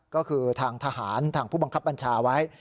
ก็คือทางทหารทางผู้บังคับบัญชาไว้